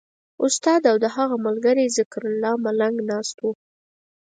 استاد او د هغه ملګری ذکرالله ملنګ ناست وو.